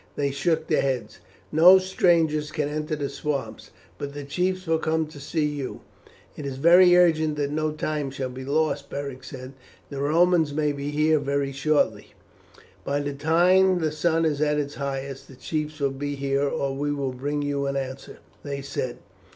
They shook their heads. "No strangers can enter the swamps; but the chiefs will come to see you." "It is very urgent that no time shall be lost," Beric said, "the Romans may be here very shortly." "By the time the sun is at its highest the chiefs will be here or we will bring you an answer," they said.